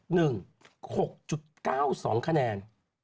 หนึ่ง๖๙๒คะแนน